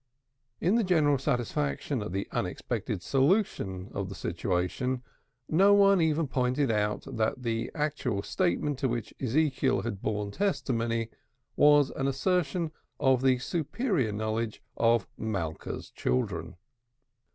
In the general satisfaction at the unexpected solution of the situation, no one even pointed out that the actual statement to which Ezekiel had borne testimony, was an assertion of the superior knowledge of Malka's children.